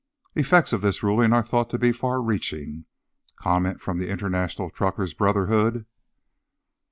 '" Effects of this ruling are thought to be far reaching. Comment from the international Truckers' Brotherhood....